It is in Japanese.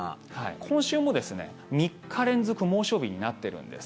今週もですね、３日連続猛暑日になってるんです。